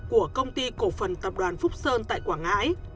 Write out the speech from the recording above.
của công ty cổ phần tập đoàn phúc sơn tại quảng ngãi